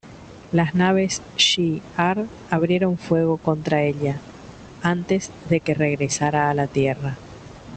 Las naves Shi'Ar abrieron fuego contra ella, antes de que regresara a la Tierra.